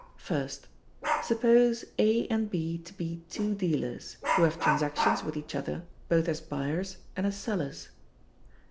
First: Suppose A and B to be two dealers, who have transactions with each other both as buyers and as sellers.